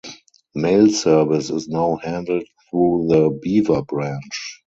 Mail service is now handled through the Beaver branch.